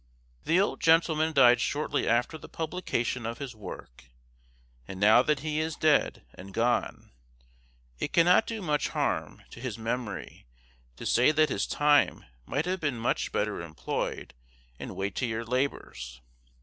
The old gentleman died shortly after the publication of his work; and now that he is dead and gone, it cannot do much harm to his memory to say that his time might have been much better employed in weightier labors.